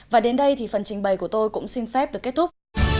và đến đây thì phần trình bày của tôi cũng xin phép được kết thúc